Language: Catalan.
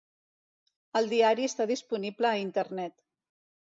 El diari està disponible a Internet.